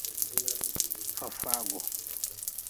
Fafagu.